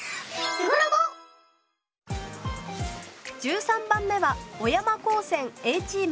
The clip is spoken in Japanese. １３番目は小山高専Ａチーム。